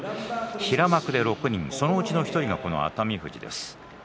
平幕で６人、そのうちの１人がこの熱海富士です。